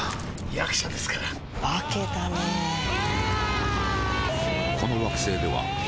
役者ですから化けたねうわーーー！